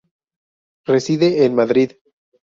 Reside en Madrid.